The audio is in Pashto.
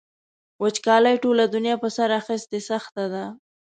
وچکالۍ ټوله دنیا په سر اخیستې سخته ده.